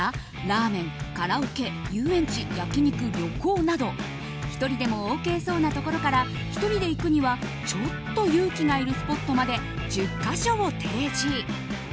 ラーメン、カラオケ、遊園地焼き肉、旅行など１人でもＯＫそうなところから１人で行くにはちょっと勇気がいるスポットまで１０か所を提示。